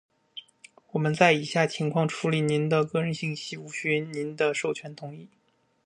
我们在以下情况下处理您的个人信息无需您的授权同意：